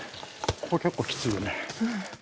ここ、結構きついよね。